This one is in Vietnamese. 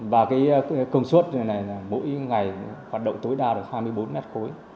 và công suất mỗi ngày hoạt động tối đa hai mươi bốn mét khối